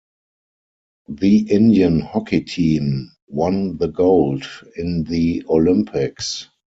The Indian Hockey team won the Gold in the Olympics.